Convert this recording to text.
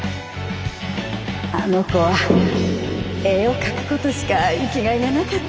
あの子は絵を描くことしか生きがいがなかったんです。